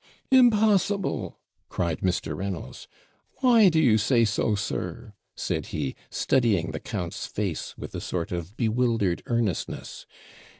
'Impossible!' cried Mr. Reynolds. 'Why do you say so, sir?' said he, studying the count's face with a sort of bewildered earnestness.